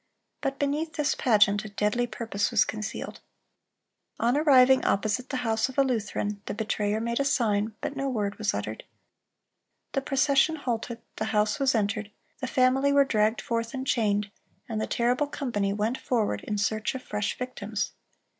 But beneath this pageant a deadly purpose was concealed. On arriving opposite the house of a Lutheran, the betrayer made a sign, but no word was uttered. The procession halted, the house was entered, the family were dragged forth and chained, and the terrible company went forward in search of fresh victims.